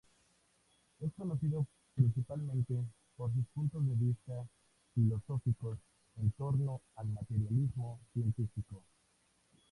Es conocido principalmente por sus puntos de vista filosóficos en torno al materialismo científico.